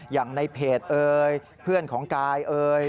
อย่างในเพจเอ่ยเพื่อนของกายเอ่ย